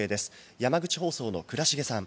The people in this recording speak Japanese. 山口放送の倉重さん。